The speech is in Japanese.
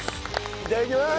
いただきまーす。